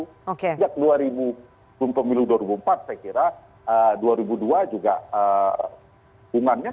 sejak dua ribu empat saya kira dua ribu dua juga hubungannya